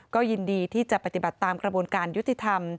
ก็ยินดีที่จะปฏิบัติตามกระบวนการยุติธรรม